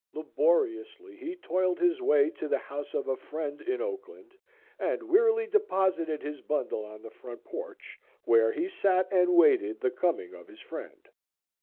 Laboriously he toiled his way to the house of a friend in Oakland and wearily deposited his bundle on the front porch, where he sat and waited the coming of his friend.